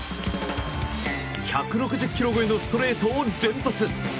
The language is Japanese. １６０キロ超えのストレートを連発。